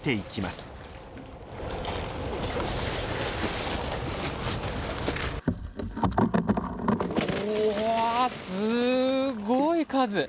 すごい数。